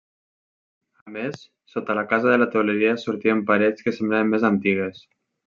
A més, sota la casa de la teuleria sortien parets que semblaven més antigues.